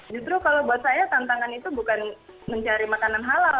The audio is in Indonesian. justru kalau buat saya tantangan itu bukan mencari makanan halal